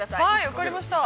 ◆分かりました。